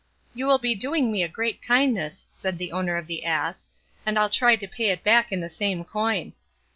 'You will be doing me a great kindness,' said the owner of the ass, 'and I'll try to pay it back in the same coin.